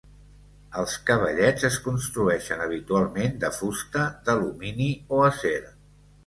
Els cavallets es construïxen habitualment de fusta, d'alumini o acer.